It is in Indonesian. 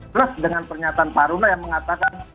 plus dengan pernyataan pak haruna yang mengatakan